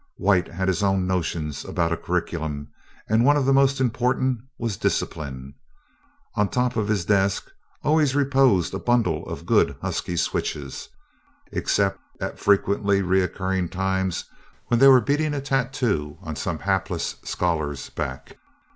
White had his own notions about a curriculum, and one of the most important was discipline. On top of his desk always reposed a bundle of good husky switches except at frequently recurring times when they were beating a tattoo on some hapless scholar's back.